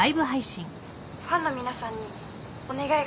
ファンの皆さんにお願いがあります。